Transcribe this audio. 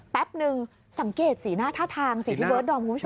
แป๊บนึงสังเกตสีหน้าท่าทางสิพี่เบิร์ดดอมคุณผู้ชม